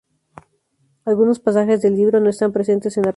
Algunos pasajes del libro no están presentes en la película.